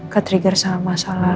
ketrigger sama masalah